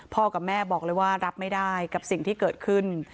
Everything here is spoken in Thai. กับแม่บอกเลยว่ารับไม่ได้กับสิ่งที่เกิดขึ้น